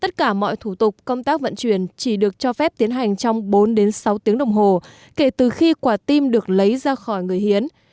tất cả mọi thủ tục công tác vận chuyển chỉ được cho phép tiến hành trong bốn đến sáu tiếng đồng hồ kể từ khi quả tim được lấy ra khỏi người hiến